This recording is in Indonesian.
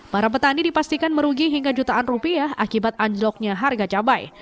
para petani dipastikan merugi hingga jutaan rupiah akibat anjloknya harga cabai